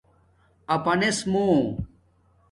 اپانس مُو